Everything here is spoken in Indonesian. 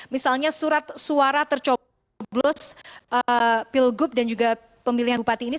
misalnya surat suara tercoblos pilgub dan juga pemilihan bupati ini